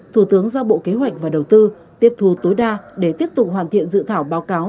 thủ tướng giao bộ kế hoạch và đầu tư tiếp thu tối đa để tiếp tục hoàn thiện dự thảo báo cáo